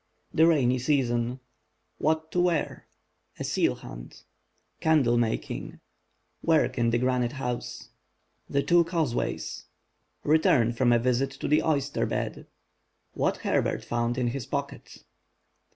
THE RAINY SEASON—WHAT TO WEAR A SEAL HUNT—CANDLE MAKING— WORK IN THE GRANITE HOUSE—THE TWO CAUSEWAYS—RETURN FROM A VISIT TO THE OYSTER BED—WHAT HERBERT FOUND IS HIS POCKET.